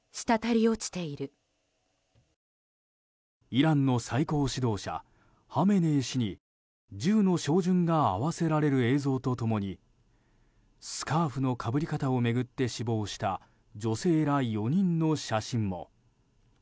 イランの最高指導者ハメネイ師に銃の照準が合わせられる映像と共にスカーフのかぶり方を巡って死亡した女性ら４人の写真も。